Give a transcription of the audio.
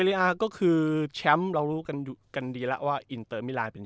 ก็คือแชมป์เรารู้กันดีแล้วว่าอินเตอร์มิลายเป็น